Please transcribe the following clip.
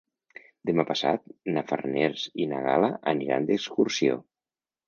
Demà passat na Farners i na Gal·la aniran d'excursió.